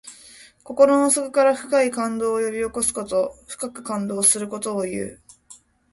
心の底から深い感動を呼び起こすこと。深く感動することをいう。